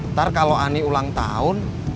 ntar kalau ani ulang tahun